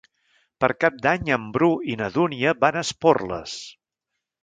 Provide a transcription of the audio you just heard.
Per Cap d'Any en Bru i na Dúnia van a Esporles.